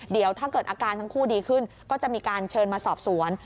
เดี๋ยวถ้าเกิดอาการทั้งคู่ดีขึ้นก็จะมีการเชิญมาสอบสวน